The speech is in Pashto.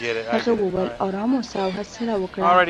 هغې وویل ارام اوسه او حوصله کوه.